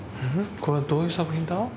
これはどういう作品だ？